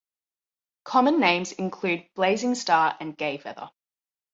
Common names include blazing star and gayfeather.